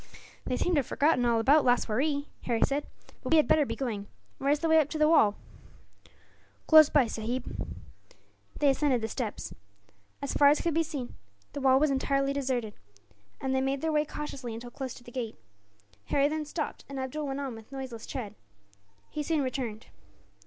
"They seem to have forgotten all about Laswaree," Harry said. "But we had better be going. Where is the way up to the wall?" "Close by, sahib." They ascended the steps. As far as could be seen the wall was entirely deserted, and they made their way cautiously until close to the gate. Harry then stopped, and Abdool went on with noiseless tread. He soon returned.